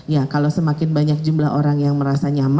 ya kalau semakin banyak jumlah orang yang berbankan ya maka